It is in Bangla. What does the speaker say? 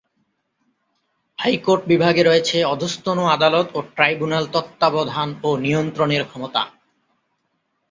হাইকোর্ট বিভাগে রয়েছে অধস্তন আদালত ও ট্রাইব্যুনাল তত্ত্বাবধান ও নিয়ন্ত্রণের ক্ষমতা।